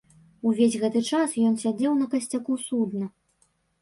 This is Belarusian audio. Увесь гэты час ён сядзеў на касцяку судна.